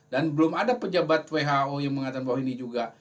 dan belum ada pejabat who yang mengatakan bahwa ini juga